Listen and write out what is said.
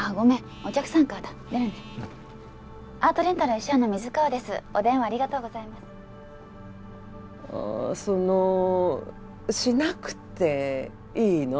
お電話ありがとうございますあそのシなくていいの？